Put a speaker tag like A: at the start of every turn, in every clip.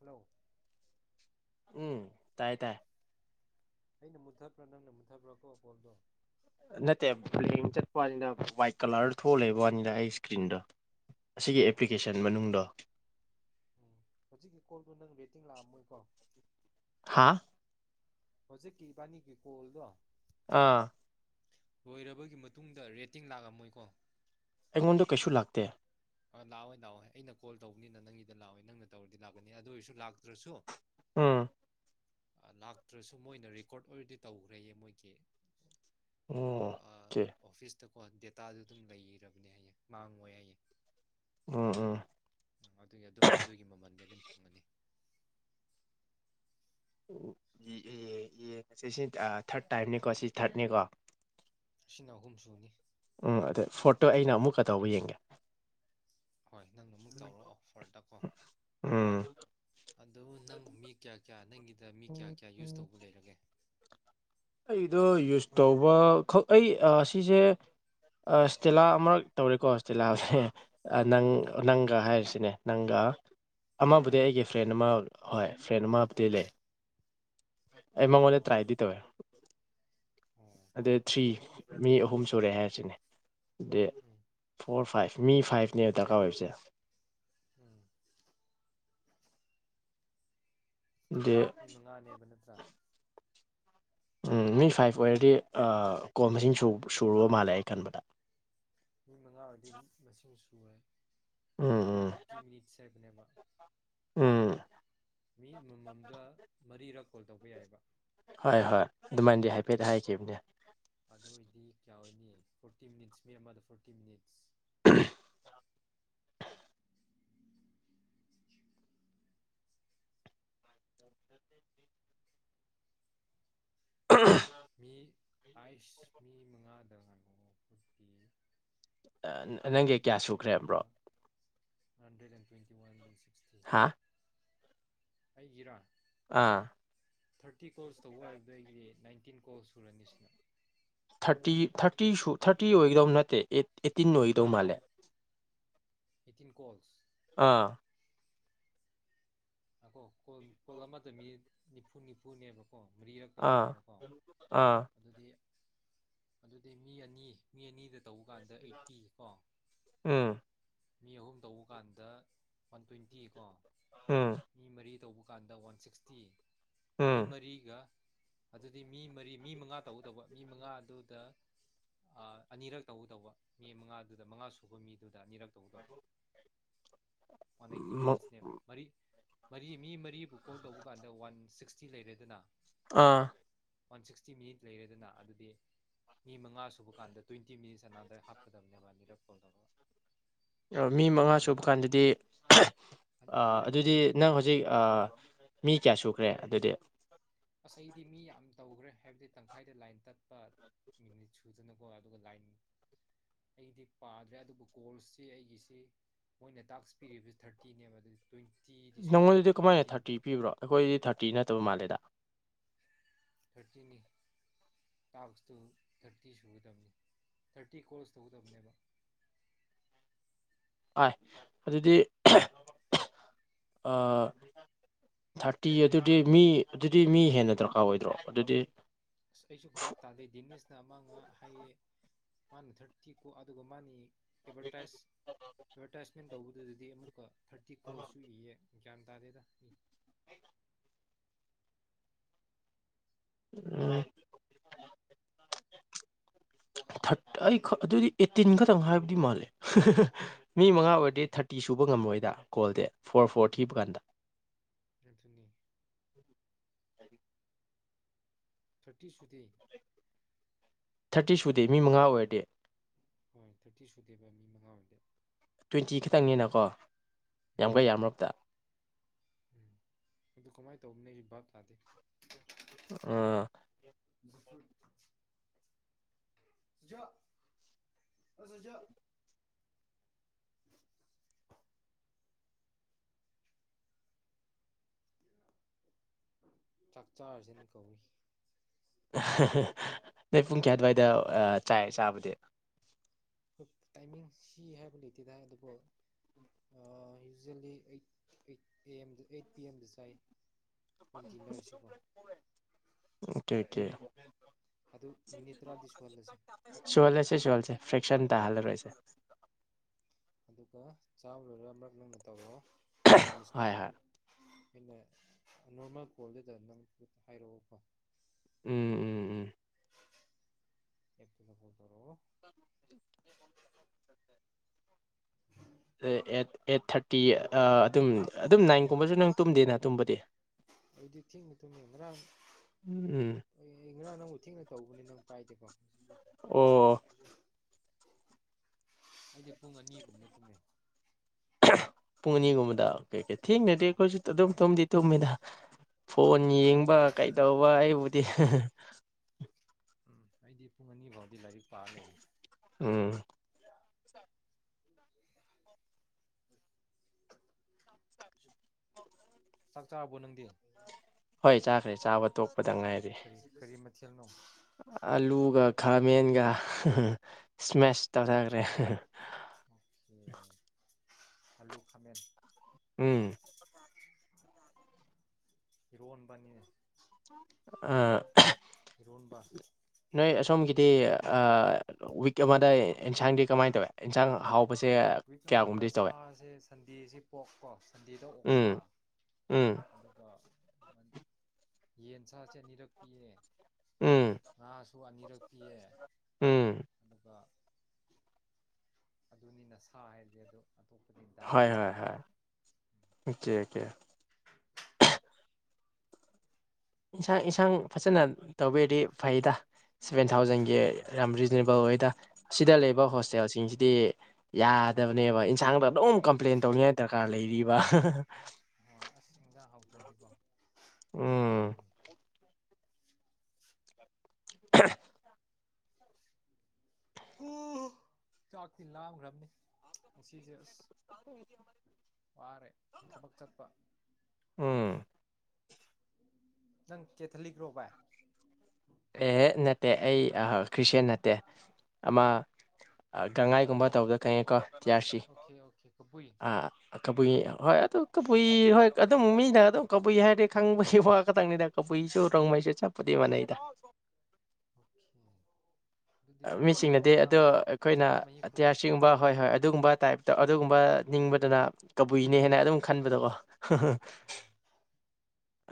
A: hello
B: ꯎꯝ ꯇꯥꯏ ꯇꯥꯏ
A: ꯑꯩꯅ ꯃꯨꯠꯊꯕ꯭ꯔꯥ ꯅꯪꯅ ꯃꯨꯠꯊꯕ꯭ꯔꯥ ꯀꯣꯀꯣꯜꯗꯣ
B: ꯅꯠꯇꯦ ꯐꯡ ꯆꯠꯄꯅꯤꯗ ꯋꯥꯏꯠ ꯀꯂꯔ ꯊꯣꯛ ꯂꯩꯕ ꯋꯥꯅꯤꯗ ꯑꯩ ꯏꯁꯀ꯭ꯔꯤꯟꯗꯣ ꯑꯁꯤꯒꯤ
A: ꯑꯣ
B: ꯑꯦꯄ꯭ꯂꯤꯀꯦꯁꯟ ꯃꯅꯨꯡꯗꯣ
A: ꯎꯝ ꯍꯧꯖꯤꯛꯀꯤ ꯀꯣꯜꯗꯣ ꯅꯪ ꯔꯦꯇꯤꯡ ꯂꯥꯛꯑꯝꯃꯣꯏꯀꯣ
B: ꯍꯥꯥ
A: ꯍꯧꯖꯤꯛꯀꯤꯕꯥꯅꯤꯒꯤ ꯀꯣꯜꯗꯣ
B: ꯑꯥ
A: ꯂꯣꯏꯔꯕꯒꯤ ꯃꯇꯨꯡꯗ ꯔꯦꯇꯤꯡ ꯂꯥꯛꯑꯝꯃꯣꯏꯀꯣ
B: ꯑꯩꯉꯣꯟꯗ ꯀꯩꯁꯨ ꯂꯥꯛꯇꯦ
A: ꯑ ꯂꯥꯛꯑꯣꯏ ꯂꯥꯛꯑꯣꯏ ꯑꯩꯅ ꯀꯣꯜ ꯇꯧꯕꯅꯤꯅ ꯅꯪꯒꯤꯗ ꯂꯥꯛꯑꯣꯏ ꯅꯪꯅ ꯇꯧꯔꯗꯤ ꯂꯥꯛꯀꯅꯤ ꯑꯗꯨ ꯑꯣꯏꯔꯁꯨ ꯂꯥꯛꯇ꯭ꯔꯁꯨ
B: ꯑꯝ
A: ꯂꯥꯛꯇ꯭ꯔꯁꯨ ꯃꯣꯏꯅ ꯔꯦꯀꯣꯔꯠ ꯑꯣꯏꯔꯗꯤ ꯇꯧꯈ꯭ꯔꯦꯌꯦ ꯃꯣꯏꯒꯤ
B: ꯑꯣ ꯀꯦ
A: ꯀꯣ ꯗꯦꯇꯥꯗꯨ ꯑꯗꯨꯝ ꯂꯩꯔꯕꯅꯦ ꯍꯥꯏꯌꯦꯦ ꯃꯥꯡꯉꯣꯏ ꯍꯥꯏꯌꯦꯦ
B: ꯎꯝ ꯎꯝ
A: ꯎ ꯑꯗꯨꯒꯤ ꯑꯗꯨꯝ ꯑꯗꯨꯒꯤ ꯃꯃꯜꯗꯤ ꯑꯗꯨꯝ ꯐꯪꯒꯅꯤ
B: ꯌꯦ ꯉꯁꯤ ꯁꯤ ꯊꯥꯔꯠ ꯇꯥꯏꯝꯅꯤꯀꯣ ꯁꯤ ꯊꯥꯔꯠꯅꯦꯀꯣ
A: ꯁꯤꯅ ꯑꯍꯨꯝ ꯁꯨꯅꯤ
B: ꯎꯝ ꯑꯗ ꯐꯣꯇꯣ ꯑꯩꯅ ꯑꯃꯨꯛꯀ ꯇꯧꯕ ꯌꯦꯡꯒꯦ
A: ꯍꯣꯏ ꯅꯪꯅ ꯑꯃꯨꯛ ꯇꯧꯔꯛꯑꯣ ꯑꯣꯐꯔꯗꯀꯣ
B: ꯎꯝ
A: ꯑꯗꯨ ꯅꯪ ꯃꯤ ꯀꯌꯥ ꯀꯌꯥꯅ ꯅꯪꯒꯤꯗ ꯃꯤ ꯀꯌꯥ ꯀꯌꯥ ꯌꯨꯁ ꯇꯧꯕ ꯂꯩꯔꯒꯦ
B: ꯑꯩꯗꯣ ꯌꯨꯁ ꯇꯧꯕ ꯑꯩ ꯁꯤꯁꯦ ꯏꯁꯇꯤꯂꯥ ꯑꯃꯔꯛ ꯇꯧꯔꯦꯀꯣ ꯏꯁꯇꯤꯂꯥꯁꯦ ꯅꯪꯒ ꯍꯥꯏꯔꯤꯁꯤꯅꯦ ꯅꯪꯒ ꯑꯃꯕꯨꯗꯤ
A: ꯎꯝ
B: ꯑꯩꯒꯤ ꯐ꯭ꯔꯦꯟ ꯑꯃ ꯍꯣꯏ ꯐ꯭ꯔꯦꯟ ꯃꯥꯄꯇ ꯂꯩꯦ ꯑꯩ ꯃꯉꯣꯟꯗ
A: ꯑꯣ
B: ꯇ꯭ꯔꯥꯏꯗꯤ ꯇꯧꯋꯦ
A: ꯑꯣ
B: ꯑꯗꯩ ꯊ꯭ꯔꯤ ꯃꯤ ꯑꯍꯨꯝ ꯁꯨꯔꯦ ꯍꯥꯏꯔꯁꯤꯅꯦ ꯑꯗꯩ
A: ꯎꯝ
B: ꯐꯣꯔ ꯐꯥꯏꯚ ꯃꯤ ꯐꯥꯏꯚꯅꯦꯕ ꯗꯔꯀꯥꯔ ꯑꯣꯏꯕꯁꯦ
A: ꯎꯝ
B: ꯑꯗꯤ
A: ꯃꯤ ꯃꯉꯥꯅꯦꯕꯅ [inaudible]
B: ꯎꯝ ꯃꯤ ꯐꯥꯏꯚ ꯑꯣꯏꯔꯗꯤ ꯀꯣ ꯃꯁꯤꯡ ꯁꯨꯔꯨꯕ ꯃꯥꯜꯂꯦ ꯑꯩ ꯈꯟꯕꯗ
A: ꯃꯤ ꯃꯉꯥ ꯑꯣꯏꯗꯤ ꯃꯁꯤꯡ ꯁꯨꯔꯦ
B: ꯎꯝ ꯎꯝ
A: ꯋꯥꯟ ꯑꯩꯠꯇꯤ ꯃꯤꯅꯤꯠꯁ ꯍꯥꯏꯕꯅꯦꯕ
B: ꯎꯝ
A: ꯃꯤ ꯑꯃꯃꯝꯗ ꯃꯔꯤꯔꯛ ꯀꯣꯜ ꯇꯧꯕ ꯌꯥꯏꯑꯕ
B: ꯍꯣꯏ ꯍꯣꯏ
A: ꯑꯗꯨꯗꯤ
B: ꯑꯗꯨꯃꯥꯏꯅꯗꯤ ꯍꯥꯏꯐꯦꯠ ꯍꯥꯏꯈꯤꯕꯅꯦ
A: ꯐꯣꯔꯇ ꯃꯤꯠ ꯃꯤ ꯑꯃꯗ ꯐꯇ ꯃꯤ ꯑꯥꯏꯁ ꯃꯤ ꯃꯉꯥꯗ ꯉꯅ
B: ꯅꯪꯒꯤ ꯀꯌꯥ ꯁꯨꯈ꯭ꯔꯦꯕ꯭ꯔꯣ
A: ꯍꯟꯦ꯭ꯋꯦꯟ ꯋꯥ
B: ꯍꯥꯥ
A: ꯑꯩ ꯍꯔꯥ
B: ꯑꯥ
A: ꯊꯥꯔꯇꯤ ꯀꯣꯔꯣꯁ ꯇꯧꯕ ꯍꯥꯏꯕꯗꯨ ꯑꯩꯒꯤꯗꯤ ꯏꯟꯇꯤꯟ ꯀꯣ ꯁꯨꯔꯅꯤꯁꯅ
B: ꯊꯥꯔꯇꯤ ꯊꯥꯔꯇꯤꯁꯨ ꯊꯥꯔꯇꯤ ꯑꯣꯏꯒꯗꯧ ꯅꯠꯇꯦ ꯑꯦꯠꯇꯤꯟ ꯑꯣꯏꯒꯗꯧ ꯃꯥꯜꯂꯦ
A: ꯏꯇꯤꯟ ꯀꯣꯜꯁ
B: ꯑꯥ
A: ꯑꯀꯣ ꯀꯣꯜ ꯀꯣꯜ ꯑꯃꯗ ꯃꯤ ꯅꯤꯐꯨ ꯅꯤꯐꯨꯅꯦꯕꯣ ꯀ ꯃꯔꯤꯔꯛ ꯇꯧꯕ
B: ꯑꯥ
A: ꯇꯥꯔꯦꯀꯣ
B: ꯑꯥ
A: ꯑꯗꯨꯗꯤ ꯑꯗꯨꯗꯤ ꯃꯤ ꯑꯅꯤ ꯃꯤ ꯑꯅꯤꯗ ꯇꯧꯕ ꯀꯥꯟꯗ ꯑꯩꯠꯇꯤ ꯀꯣ
B: ꯎꯝ
A: ꯃꯤ ꯑꯍꯨꯝ ꯇꯧꯕ ꯀꯥꯟꯗ ꯋꯥꯟ ꯇ꯭ꯋꯦꯟꯇꯤꯀꯣ
B: ꯎꯝ
A: ꯀꯔꯤ ꯇꯧꯕ ꯀꯥꯟꯗ ꯋꯥꯟ ꯁꯤꯛꯁꯇꯤ ꯃꯤ
B: ꯎꯝ
A: ꯃꯔꯤꯒ ꯑꯗꯨꯗꯤ ꯃꯤ ꯃꯔꯤ ꯃꯤ ꯃꯉꯥ ꯇꯧꯗꯧꯕ ꯃꯤ ꯃꯉꯥ ꯑꯗꯨꯗ ꯑꯅꯤꯔꯛ ꯇꯧ ꯇꯧꯕ ꯃꯤ ꯃꯉꯥꯗꯨꯗ ꯃꯉꯥ ꯁꯨꯕ ꯃꯤꯗꯨꯗ ꯑꯅꯤꯔꯛ
B: ꯃ
A: ꯇꯧꯒꯗꯧꯕ ꯋꯥꯟ ꯑꯩꯠꯇꯤ ꯃꯤꯅꯤꯠꯁꯅꯦꯕ ꯃ ꯃꯔꯤ ꯃꯤ ꯃꯔꯤꯕꯨ ꯀꯣꯜ ꯇꯧꯕ ꯀꯥꯟꯗ ꯋꯥꯟ ꯁꯤꯛꯁꯇꯤ ꯂꯩꯔꯦꯗꯅ
B: ꯑꯥ
A: ꯋꯥꯟ ꯁꯤꯛꯁꯇꯤ ꯃꯤꯅꯤꯠ ꯂꯩꯔꯦꯗꯅ ꯑꯗꯨꯗꯤ ꯃꯤ ꯃꯉꯥ ꯁꯨꯕ ꯀꯥꯟꯗ ꯇ꯭ꯋꯦꯟꯇꯤ ꯃꯤꯅꯤꯠꯁ ꯑꯅꯥꯗ ꯍꯥꯞꯀꯗꯕꯅꯦꯕ ꯑꯅꯤꯔꯛ ꯐꯣꯜ ꯇꯧꯔꯒ
B: ꯃꯤ ꯃꯉꯥ ꯁꯨꯕ ꯀꯥꯟꯗꯗꯤ
A: ꯑꯅꯤꯔꯛ
B: ꯑꯗꯨꯗꯤ
A: ꯇꯧꯒꯗꯧꯕ
B: ꯅꯪ ꯍꯧꯖꯤꯛ ꯍꯧꯖꯤꯛ ꯃꯤ ꯀꯌꯥ ꯁꯨꯈ꯭ꯔꯦ ꯑꯗꯨꯗꯤ
A: ꯑꯁ ꯑꯩꯗꯤ ꯃꯤ ꯌꯥꯝ ꯇꯧꯈ꯭ꯔꯦ ꯍꯥꯏꯕꯗꯤ ꯇꯪꯈꯥꯏꯗ ꯂꯥꯏꯟ ꯇꯠꯄ ꯃꯤꯅꯤꯠ ꯁꯨꯗꯅꯀꯣ ꯑꯗꯨꯒ ꯂꯥꯏꯟ ꯑꯩꯗꯤ ꯄꯥꯗ꯭ꯔꯦ ꯑꯗꯨꯕꯨ ꯀꯣꯔꯁꯁꯤ ꯑꯩꯒꯤꯁꯤ ꯃꯣꯏꯅ ꯇꯥꯛꯁ ꯄꯤꯔꯤꯕꯁꯤ ꯊꯥꯔꯇꯤꯅꯦꯕ ꯑꯗꯨ ꯇ꯭ꯋꯦꯟꯇꯤꯗꯤ
B: ꯅꯪꯉꯣꯟꯗꯗꯤ
A: ꯁꯨꯗꯧꯔꯦ
B: ꯀꯃꯥꯏꯅ
A: ꯅꯥꯏꯟꯇꯤꯟ
B: ꯊꯥꯔꯇꯤ ꯄꯤꯕ꯭ꯔꯣ ꯑꯩꯈꯣꯏꯗꯤ ꯊꯥꯔꯇꯤ ꯅꯠꯇꯕ ꯃꯥꯜꯂꯦꯗ
A: ꯊꯥꯔꯇꯤꯅꯤ ꯊꯥꯔꯇꯤ ꯁꯅꯤ ꯊꯥꯔꯇꯤ ꯀꯣꯔꯁ ꯇꯧꯒꯗꯕꯅꯦꯕ
B: ꯑꯥꯏ ꯑꯗꯨꯗꯤ ꯊꯥꯔꯇꯤ ꯑꯗꯨꯗꯤ ꯃꯤ ꯑꯗꯨꯗꯤ ꯃꯤ ꯍꯦꯟꯅ ꯗꯔꯀꯥꯔ ꯑꯣꯏꯗ꯭ꯔꯣ ꯑꯗꯨꯗꯤ
A: ꯑꯁ ꯑꯩꯁꯨ ꯕꯥꯥꯞ ꯇꯥꯗꯦ ꯗꯤꯃꯤꯁꯅ ꯑꯃ ꯍꯥꯏꯌꯦ ꯃꯥꯅ ꯊꯥꯔꯇꯤ ꯀꯣ ꯑꯗꯨꯒ ꯃꯥꯅꯤ ꯑꯦꯗꯚꯔꯇꯥꯏꯁ ꯑꯦꯠꯚꯔꯇꯥꯏꯁꯃꯦꯟ ꯇꯧꯕꯗꯨꯗꯗꯤ ꯑꯃꯨꯛꯀ ꯊꯥꯔꯇꯤ ꯀꯣꯁꯨ ꯏꯌꯦ ꯆꯗꯥꯗꯗ
B: ꯎ ꯑꯩ ꯑꯗꯨꯗꯤ ꯑꯦꯠꯇꯤꯟ ꯈꯛꯇꯪ ꯍꯥꯏꯕꯗꯤ ꯃꯥꯜꯂꯦ ꯃꯤ ꯃꯉꯥ ꯑꯣꯏꯔꯗꯤ ꯊꯥꯔꯇꯤ ꯁꯨꯕ ꯉꯝꯃꯣꯏꯗ ꯀꯣꯜꯗꯤ ꯐꯣꯔ ꯐꯣꯔ ꯊꯤꯕ ꯀꯥꯟꯗ
A: [unintelligible]
B: ꯂꯥꯏꯔꯤꯛ
A: ꯊꯔꯇꯤ ꯁꯨꯗꯦ
B: ꯊꯔꯇꯤ ꯁꯨꯗꯦ ꯃꯤ ꯃꯉꯥ ꯑꯣꯏꯔꯗꯤ
A: ꯍꯣꯏ ꯊꯔꯇꯤ ꯁꯨꯗꯦꯕ ꯃꯤ ꯃꯉꯥ ꯑꯣꯏꯔꯗꯤ
B: ꯇ꯭ꯋꯦꯟꯇꯤ
A: ꯑꯗꯨ
B: ꯈꯛꯇꯪꯅꯤꯅꯀꯣ
A: ꯎꯝ
B: ꯌꯝꯒꯔ꯭ꯦ ꯌꯥꯝ [unintelligible]
A: ꯎꯝ ꯑꯗꯨ ꯀꯃꯥꯏꯅ ꯇꯧꯕꯅꯣ ꯑꯩꯁꯨ ꯚꯥꯞ ꯇꯥꯗꯦ
B: ꯑ [inaudible]
A: ꯌꯥꯥꯥ [unintelligible] ꯆꯥꯛ ꯆꯔꯁꯤꯅ ꯀꯧꯏ
B: ꯅꯣꯏ ꯄꯨꯡ ꯀꯌꯥ ꯑꯗꯨꯋꯥꯏꯗ ꯆꯥꯏ ꯆꯕꯗꯤ
A: ꯇꯥꯏꯃꯤꯡ ꯁꯤ ꯍꯥꯏꯕ ꯂꯩꯇꯦꯗ ꯑꯗꯨꯕꯨ ꯌꯨꯖ꯭ꯋꯦꯜꯂꯤ ꯑꯩꯠ ꯑꯩꯠ ꯑꯦ ꯑꯦꯝꯗ ꯑꯩꯠ ꯄꯤ ꯑꯦꯝꯗ ꯆꯥꯏ ꯑꯩꯈꯣꯏ ꯗꯤꯟꯅꯔꯁꯤꯀꯣ
B: [unintelligible] ꯀꯦ ꯀꯦ [unintelligible]
A: ꯑꯗꯨ ꯃꯤꯅꯤꯠ ꯇꯔꯥꯗꯤ ꯁꯨꯍꯜꯂꯁꯦ
B: ꯁꯨꯍꯜꯂꯁꯦ ꯁꯨꯍꯜꯂꯁꯦ ꯐ꯭ꯔꯦꯛꯁꯟ ꯇꯥꯍꯟꯂꯔꯣꯏꯁꯦ
A: ꯑꯗꯨꯒ ꯆꯥꯕ ꯂꯣꯏꯔꯒ ꯑꯃꯔꯛ ꯅꯪꯅ ꯇꯩꯔꯛꯑꯣ
B: ꯍꯣꯏ
A: [unintelligible]
B: ꯍꯣꯏ
A: ꯑꯩꯅ ꯅꯣꯔꯃꯦꯜ ꯀꯣꯜꯗꯨꯗ ꯅꯪ ꯍꯥꯏꯔꯛꯑꯣꯀꯣ
B: ꯑꯝ ꯑꯝ ꯑꯝ
A: ꯑꯦꯠꯇꯨꯗ ꯍꯧꯗꯣꯛꯔꯛꯑꯣ
B: ꯑꯩꯠ ꯑꯩꯠ ꯊꯔꯇꯤ ꯑꯗꯨꯝ ꯑꯗꯨꯝ ꯅꯥꯏꯟꯒꯨꯝꯕꯁꯨ ꯅꯪ ꯇꯨꯝꯗꯦꯅ ꯇꯨꯝꯕꯗꯤ
A: ꯑꯩꯗꯤ ꯊꯦꯡꯅ ꯇꯨꯝꯃꯦ ꯉꯔꯥꯡ
B: ꯎꯝ
A: ꯉꯔꯥꯡ ꯅꯪꯕꯨ ꯊꯦꯡꯅ ꯇꯧꯕꯅꯦ ꯅꯪ ꯄꯥꯏꯗꯦꯀꯣ
B: ꯑꯣ
A: ꯑꯩꯗꯤ ꯄꯨꯡ ꯑꯅꯤꯒꯨꯝꯕꯗ ꯇꯨꯝꯃꯦ
B: ꯄꯨꯡ ꯑꯅꯤꯒꯨꯝꯕꯗ ꯊꯦꯡꯅꯗꯤ
A: ꯑꯧ
B: ꯑꯈꯣꯏꯁꯨ ꯑꯗꯨꯝ ꯇꯨꯝꯗꯤ ꯇꯨꯝꯃꯤꯗ ꯐꯣꯟ ꯌꯦꯡꯕ
A: ꯑꯣ
B: ꯀꯩꯗꯧꯕ ꯑꯩꯕꯨꯗꯤ [unintelligible]
A: ꯑꯝ ꯑꯩꯗꯤ ꯄꯨꯡ ꯑꯅꯤꯐꯥꯎꯗꯤ ꯂꯥꯏꯔꯤꯛ ꯄꯥꯔꯒ ꯂꯩ
B: ꯑꯝ
A: ꯆꯥꯛ ꯆꯥꯔꯕ꯭ꯔꯣ ꯅꯪꯗꯤ
B: ꯍꯣꯏ ꯆꯥꯈ꯭ꯔꯦ ꯆꯥꯕ ꯇꯣꯛꯄꯗ ꯉꯥꯏꯔꯤ
A: ꯀꯔꯤ ꯀꯔꯤ ꯃꯊꯦꯜꯅꯣ
B: ꯑꯂꯨꯒ ꯈꯥꯃꯦꯟꯒ ꯁ꯭ꯃꯦꯁ ꯇꯧꯊꯈ꯭ꯔꯦ
A: ꯑꯣꯀꯦ ꯑꯂꯨ ꯈꯥꯃꯦꯟ
B: ꯑꯝ
A: ꯏꯔꯣꯟꯕꯅꯤꯅꯦ
B: ꯑꯥ
A: ꯏꯔꯣꯟꯕꯥ
B: ꯗꯦ ꯑ ꯏꯟꯁꯥꯡ ꯍꯥꯎꯕꯁꯦ
A: ꯋꯤꯛ ꯑꯃꯗ
B: ꯀꯌꯥꯒꯨꯝꯕꯗꯤ ꯇꯧꯋꯦ
A: ꯁꯥꯁꯦ ꯁꯟꯗꯦꯁꯤꯦ ꯄꯣꯛꯀꯣ ꯁꯟꯗꯦꯗ ꯑꯣꯛ
B: ꯎꯝ
A: ꯁꯥꯥ
B: ꯎꯝ
A: ꯑꯗꯨꯒ ꯌꯦꯟꯁꯥꯁꯦ ꯑꯅꯤꯔꯛ ꯄꯤꯌꯦ
B: ꯎꯝ
A: ꯉꯥꯁꯨ
B: ꯎꯝ
A: ꯀ [unintelligible] ꯑꯗꯨꯅꯤꯅ ꯁꯥ ꯍꯥꯏꯁꯦ ꯑꯗꯣ
B: ꯍꫭꯏ ꯍꫭꯏ ꯍꫭꯏ ꯑꫭꯀꯦ ꯑꫭꯀꯦ ꯏꯟꯁꯥꯡ ꯏꯟꯁꯥꯡ ꯐꯖꯅ ꯇꯧꯕꯤꯔꯗꯤ ꯐꯩꯗ ꯁꯚꯦꯟ ꯊꯥꯎꯖꯟꯒꯤ
A: ꯍꯣꯏ
B: ꯌꯥꯝ ꯔꯤꯖꯅꯦꯕꯜ ꯑꯣꯏꯗ ꯑꯁꯤꯗ ꯂꯩꯕ
A: ꯍꯣꯏꯗ
B: ꯍꯣꯁꯇꯦꯜꯁꯤꯡꯁꯤꯗꯤ ꯌꯥꯗꯕꯅꯦꯕ ꯏꯟꯁꯥꯡꯗ ꯑꯗꯨꯝ ꯀꯝꯄ꯭ꯂꯦꯟ ꯇꯧꯅꯤꯡꯉꯥꯏ ꯗꯔꯀꯥꯔ ꯂꯩꯔꯤꯕ
A: ꯗꯤꯄꯥ
B: ꯎꯝ ꯈ [unintelligible]
A: ꯑꯣ ꯆꯥꯛꯇꯤ ꯂꯥꯡꯈ꯭ꯔꯕꯅꯤꯁꯦ ꯑꯁ ꯋꯥꯔꯦ ꯊꯕꯛ ꯆꯠꯄ
B: ꯎꯝ
A: ꯅꯪ ꯀꯦꯊꯂꯤꯛ ꯔꯣ ꯕꯥꯏ
B: ꯑꯦ ꯍꯦꯛ ꯅꯠꯇꯦ ꯑꯩ ꯈ꯭ꯔꯤꯁꯇꯌꯥꯟ ꯅꯠꯇꯦ ꯑꯃ ꯒꯪꯉꯥꯏꯒꯨꯝꯕ
A: ꯑꯣ
B: ꯇꯧꯗ ꯈꯪꯉꯦꯀꯣ ꯇꯤꯌꯥꯥꯔ ꯁꯤ
A: ꯑꯣꯀꯦ ꯑꯣꯀꯦ ꯀꯕꯨꯏ
B: ꯀꯕꯨꯏ ꯍꯣꯏ ꯑꯗꯨ ꯀꯕꯨꯏ ꯍꯣꯏ ꯑꯗꯨꯝ ꯃꯤꯅ ꯑꯗꯨꯝ ꯀꯕꯨꯏ ꯍꯥꯏꯔꯗꯤ ꯈꯪꯕꯒꯤ ꯋꯥ ꯈꯛꯇꯪꯅꯤꯗ ꯀꯕꯨꯏꯁꯨ ꯔꯣꯡꯃꯩꯁꯨ ꯆꯞꯄꯨꯗꯤ ꯃꯟꯅꯩꯗ
A: [unintelligible] ꯅꯪꯗꯤ
B: ꯃꯤꯁꯤꯡꯅꯗꯤ ꯑꯗꯣ
A: ꯁꯅꯥꯃꯍꯤ
B: ꯑꯩꯈꯣꯏꯅ
A: ꯁꯅꯥꯃꯍꯤ ꯈꯨꯔꯨꯝ
B: ꯑꯇꯤꯌꯥꯔꯁꯤꯡꯒꯨꯝꯕ ꯍꯣꯏ ꯍꯣꯏ ꯑꯗꯨꯒꯨꯝꯕ ꯇꯥꯏꯞꯇ ꯑꯗꯨꯒꯨꯝꯕ ꯅꯤꯡꯕꯗꯨꯅ ꯀꯕꯨꯏꯅꯦ ꯍꯥꯏꯅ ꯑꯗꯨꯝ ꯈꯟꯕꯗꯀꯣ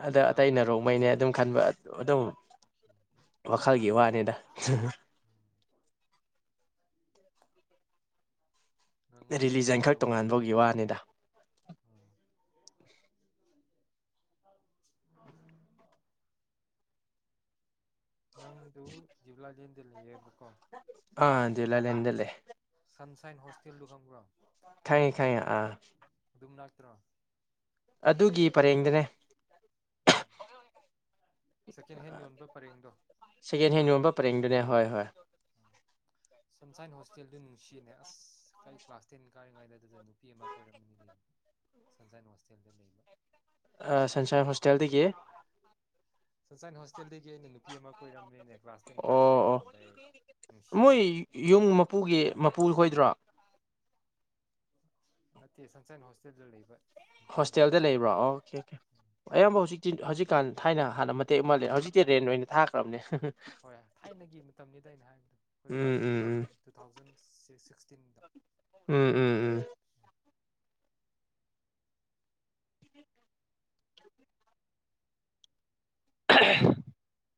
B: ꯑꯗ ꯑꯇꯩ
A: ꯒꯪꯉꯥꯏ
B: ꯅꯔꯣꯛꯃꯩꯅꯦ ꯑꯗꯨꯝ ꯈꯟꯕ ꯑꯗꯨꯝ ꯋꯥꯈꯜꯒꯤ ꯋꯥꯅꯤꯗ
A: ꯒꯪꯉꯥꯏ
B: ꯔꯤꯂꯤꯖꯟ
A: ꯁꯦꯂꯦꯕ꯭ꯔꯦꯠ
B: ꯈꯛ
A: ꯇꯧꯕ
B: ꯇꯣꯉꯥꯟꯕꯒꯤ
A: ꯈꯣꯏꯅꯤꯅꯀꯣ
B: ꯋꯥꯅꯤꯗ
A: ꯎꯝ [unintelligible] ꯃ ꯖꯤ
B: [inaudible]
A: ꯕꯨꯛ
B: ꯑꯥ ꯖꯨꯂꯂꯤ ꯑꯦ ꯂꯩꯦ
A: ꯁꯟꯁꯥꯏꯟ ꯍꯣꯁꯇꯦꯜꯗꯨ ꯈꯒ꯭ꯔꯝ
B: ꯈꯥꯏ ꯈꯩ ꯑꯥ
A: ꯑꯗꯨꯝ ꯂꯥꯛꯇ꯭ꯔꯣ
B: ꯑꯗꯨꯒꯤ ꯄꯔꯦꯡꯗꯅꯦ
A: ꯁꯦꯀꯦꯟ ꯍꯦꯟ ꯌꯣꯟꯕ ꯄꯔꯦꯡꯗꯣ
B: ꯁꯦꯀꯦꯟ ꯍꯦꯟ ꯌꯣꯟꯕ ꯄꯔꯦꯡꯗꯨꯅꯦ ꯍꯣꯏ ꯍꯣꯏ
A: ꯁꯟꯁꯥꯏꯟ ꯍꯣꯁꯇꯦꯜꯗꯨ ꯅꯨꯡꯁꯤꯅꯦ ꯑꯁ ꯀꯔꯤ ꯀ꯭ꯂꯥꯁ ꯇꯦꯟ ꯀꯥꯔꯤꯉꯩꯗ ꯑꯗꯨꯗ ꯅꯨꯄꯤ ꯑꯃ ꯀꯣꯏꯔꯝꯕꯅꯤ ꯁꯟꯁꯥꯏꯟ ꯍꯣꯁꯇꯦꯜꯗ ꯂꯩꯕ
B: ꯁꯟꯁꯔ ꯍꯣꯁꯇꯦꯜꯗꯒꯤꯗꯒꯤ
A: [inaudible] ꯅꯨꯄꯤ ꯑꯃ ꯀꯣꯏꯔꯝꯃꯤꯅꯦ
B: ꯑꯣ ꯑꯣ ꯃꯣꯏ
A: ꯅꯨꯡꯁꯤꯅꯦ
B: ꯌꯨꯝ ꯃꯄꯨꯒꯤ ꯃꯄꯨ ꯈꯣꯏꯗ꯭ꯔꯣ
A: ꯅꯠꯇꯦ ꯁꯟꯁ ꯁꯥꯏꯅ ꯍꯣꯁꯇꯦꯜꯗ ꯂꯩꯕ ꯅꯨꯄꯤꯁꯤꯡꯗꯣ
B: ꯍꯣꯁꯇꯦꯜꯗ ꯂꯩꯕ꯭ꯔꯣ ꯑꯣꯀꯦ ꯑꯣꯀꯦ ꯑꯌꯥꯝꯕ ꯍꯧꯖꯤꯛꯇ ꯍꯧꯖꯤꯛꯀꯥꯟ ꯊꯥꯏꯅ ꯍꯥꯟꯅ ꯇꯦꯛ ꯑꯃ ꯍꯧꯖꯤꯛꯇꯤ ꯔꯦꯟ ꯑꯣꯏꯅ ꯊꯥꯈ꯭ꯔꯕꯅꯦ
A: ꯍꯣꯏ ꯊꯥꯏꯅꯒꯤ ꯃꯇꯝꯅꯤꯗ ꯑꯩꯅ ꯍꯥꯏꯕꯗ ꯑꯩꯈꯣꯏ
B: ꯎꯝ
A: ꯀ꯭ꯂꯥꯁ ꯇꯦꯟ
B: ꯎꯝ ꯎꯝ
A: ꯀꯔꯤ ꯇꯨ ꯊꯥꯎꯖꯟ ꯇꯤꯟꯗꯥ
B: ꯎꯝ ꯎꯝ ꯎꯝ [unintelligible]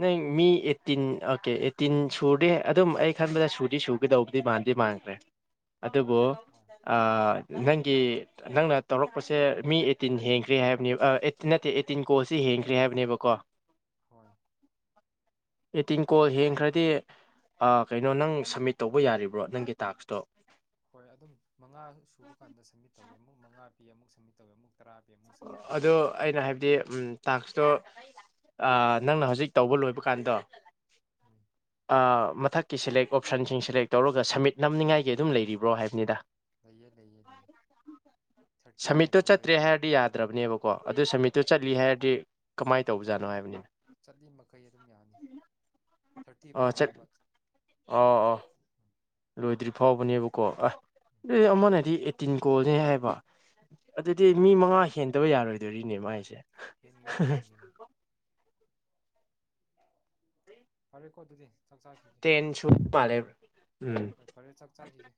B: ꯅꯪ ꯃꯤ ꯑꯦꯠꯇꯤꯟ ꯑꯣꯀꯦ ꯑꯦꯠꯇꯤꯟ ꯁꯨꯔꯗꯤ ꯑꯗꯨꯝ ꯑꯩ ꯈꯟꯕꯗ ꯁꯨꯗꯤ ꯁꯨꯒꯗꯧꯕꯗꯤ ꯃꯥꯟꯗꯤ ꯃꯥꯟꯈ꯭ꯔꯦ ꯑꯗꯨꯕꯨ
A: ꯍꯣꯏ ꯁꯨꯔꯅꯤ
B: ꯅꯪꯒꯤ ꯅꯪꯅ ꯇꯧꯔꯛꯄꯁꯦ ꯃꯤ ꯑꯩꯠꯇꯤꯟ ꯍꯦꯟꯈ꯭ꯔꯦ ꯍꯥꯏꯕꯅꯦꯕ ꯑꯩꯠꯇ ꯅꯠꯇꯦ ꯑꯩꯠꯇꯤꯟ ꯀꯣꯜꯁꯦ ꯍꯦꯡꯈ꯭ꯔꯦ ꯍꯥꯏꯕꯅꯦꯕꯀꯣ
A: ꯍꯣꯏ
B: ꯑꯦꯠꯇꯤꯟ ꯀꯣꯜ ꯍꯦꯡꯈ꯭ꯔꯗꯤ ꯀꯩꯅꯣ ꯅꯪ ꯁꯝꯃꯤꯠ ꯇꯧꯕ ꯌꯥꯔꯤꯕ꯭ꯔꯣ ꯅꯪꯒꯤ ꯇꯥꯛꯁꯇꯣ
A: ꯍꯣꯏ ꯑꯗꯨꯝ ꯃꯉꯥ ꯁꯨꯕ ꯀꯥꯟꯗ ꯁꯝꯃꯤꯠ ꯇꯧꯒꯦ ꯑꯃꯨ ꯃꯉꯥ ꯄꯤꯨ ꯁꯝꯃꯤꯠ ꯇꯧꯔꯦ
B: ꯑꯗꯨ ꯑꯩꯅ ꯍꯥꯏꯕꯗꯤ ꯇꯥꯛꯁꯇꯣ ꯑ ꯅꯪꯅ ꯍꯧꯖꯤꯛ ꯇꯧꯕ ꯂꯣꯏꯕ ꯀꯥꯟꯗꯣ
A: ꯇꯧꯋꯦ
B: ꯑꯥ ꯃꯊꯛꯀꯤ ꯁꯦꯂꯦꯛ ꯑꯣꯞꯁꯟꯁꯤꯡ ꯁꯦꯂꯦꯛ ꯇꯧꯔꯒ ꯁꯝꯃꯤꯠ ꯅꯝꯅꯤꯡꯉꯥꯏꯒꯤ ꯑꯗꯨꯝ ꯂꯩꯔꯤꯕ꯭ꯔꯣ ꯍꯥꯏꯕꯅꯤꯗ
A: ꯂꯩꯌꯦ ꯂꯩꯌꯦ ꯂꯩꯌꯦ ꯊꯥꯔꯇꯤꯅ ꯊꯣꯛꯂꯛꯑꯦꯕ
B: ꯐꯠꯇ꯭ꯔꯕꯅꯦꯕꯀꯣ ꯑꯗꯨ ꯁꯃꯤꯠꯇꯨ
A: ꯍꯣꯏ
B: ꯆꯠꯂꯤ
A: ꯍꯣꯏ
B: ꯍꯥꯏꯔꯗꯤ ꯀꯃꯥꯏꯅ ꯇꯧꯕꯖꯥꯠꯅꯣ
A: ꯆꯠꯂꯤꯃꯛ
B: ꯍꯥꯏꯕꯅꯤꯅ
A: ꯆꯠꯂꯤ ꯃꯈꯩ ꯑꯗꯨꯝ ꯌꯥꯅꯤ ꯊꯥꯔꯇꯤ
B: ꯑꯥꯠ
A: ꯐꯥꯎꯅꯦꯕ
B: ꯑꯣ ꯑꯣ ꯂꯣꯏꯗ꯭ꯔꯤ ꯐꯥꯎꯕꯅꯦꯕꯀꯣ ꯑꯁ ꯑꯗꯨ ꯑꯃꯅꯗꯤ ꯑꯦꯇꯤꯟ ꯀꯣꯜꯅꯦ ꯍꯥꯏꯕ ꯑꯗꯨꯗꯤ ꯃꯤ
A: ꯈꯪꯗꯦ
B: ꯃꯉꯥ
A: ꯃꯥꯅ
B: ꯍꯦꯟꯗꯕ ꯌꯥꯔꯣꯏꯗꯣꯔꯤꯅꯦ ꯃꯥꯏꯁꯦ
A: ꯐꯔꯦ ꯀꯣ ꯇꯗꯤꯤ
B: ꯇꯦꯟꯁꯨꯨꯄ ꯄꯔꯦ ꯎꯝ
A: ꯍꯣꯏ ꯐꯔꯦ ꯆꯥꯛ ꯆꯥꯈꯤꯒꯦ